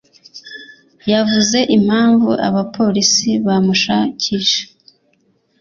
yavuze impamvu abapolisi bamushakisha?